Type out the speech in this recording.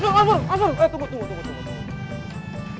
masur masur masur eh tunggu tunggu tunggu